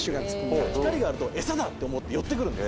光があると餌だと思って寄ってくるんです。